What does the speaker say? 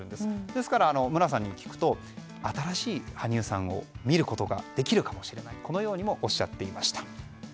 ですから無良さんに聞くと新しい羽生さんを見ることができるかもしれないとおっしゃっていました。